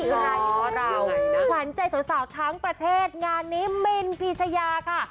ใช่ว่าเราขวัญใจสาวทั้งประเทศงานนี้มินพีชยาค่ะ